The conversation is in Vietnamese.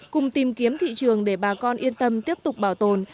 cùng tìm kiếm thị trường để bà con yên tâm tiếp tục bảo tồn